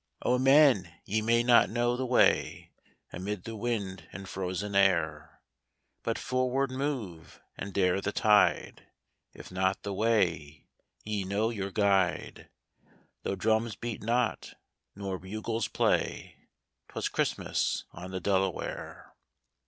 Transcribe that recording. " O men, ye may not know the way Amid the wind and frozen air; But forward move, and dare the tide — If not the way, ye know your Guide, Though drums beat not, nor bugles play "— 'Twas Christmas on the Delaware.